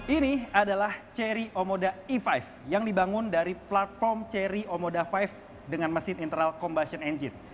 ini adalah cherry omoda e lima yang dibangun dari platform cherry omoda lima dengan mesin internal combustion engine